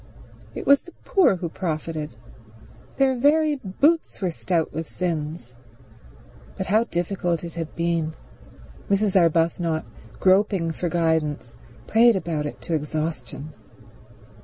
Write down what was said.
It was the poor who profited. Their very boots were stout with sins. But how difficult it had been. Mrs. Arbuthnot, groping for guidance, prayed about it to exhaustion.